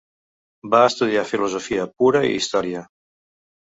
Va estudiar filosofia pura i història.